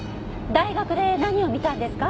大学で何を見たんですか？